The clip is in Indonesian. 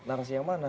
narasi yang mana